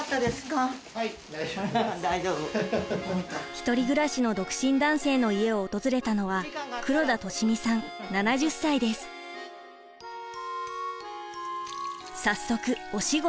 一人暮らしの独身男性の家を訪れたのは早速お仕事開始！